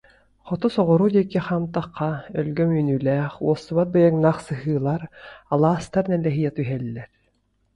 Хоту-соҕуруу диэки хаамтахха, өлгөм үүнүүлээх, уостубат быйаҥнаах сыһыылар, алаастар нэлэһийэ түһэллэр